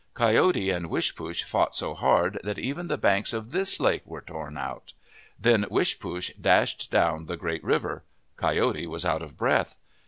Coyote and Wishpoosh fought so hard that even the banks of this lake were torn out. Then Wish poosh dashed down the Great River. Coyote was out of breath.